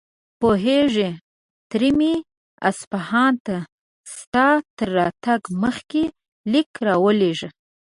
پوهېږې، تره مې اصفهان ته ستا تر راتګ مخکې ليک راولېږه.